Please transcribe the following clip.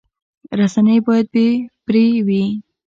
رسنۍ باید بې پرې وي